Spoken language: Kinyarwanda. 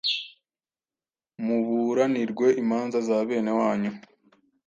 Muburanirwe imanza za bene wanyu,